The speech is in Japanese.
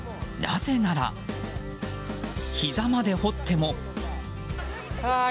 なぜなら、ひざまで掘っても。